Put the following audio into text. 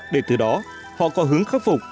để từ đó họ có hướng khắc phục